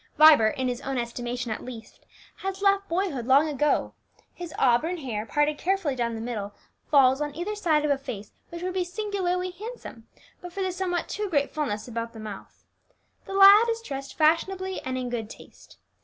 Vibert, in his own estimation at least, has left boyhood long ago. His auburn hair, parted carefully down the middle, falls on either side of a face which would be singularly handsome but for the somewhat too great fulness about the mouth. The lad is dressed fashionably and in good taste.